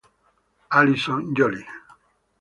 Allison Jolly